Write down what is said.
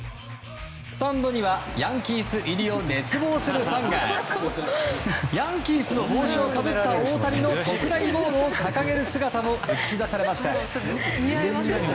スタンドにはヤンキース入りを熱望するファンがヤンキースの帽子をかぶった大谷の特大ボードを掲げる姿も映し出されました。